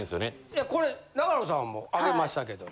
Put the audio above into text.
いやこれ長野さんもあげましたけど。